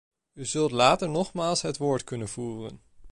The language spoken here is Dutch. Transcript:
U zult later nogmaals het woord kunnen voeren.